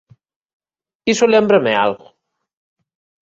Iso lémbrame algo.